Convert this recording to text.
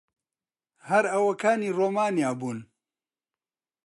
هەر ئەوەکانی ڕۆمانیا بوون.